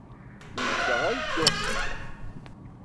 Wejdeɣ ad dduɣ seg-a.